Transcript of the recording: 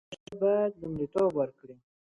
دې ژبې ته باید لومړیتوب ورکړو.